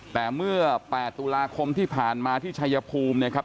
แต่เมื่อ๘ตุลาคมที่ผ่านมาที่ชายภูมินะครับ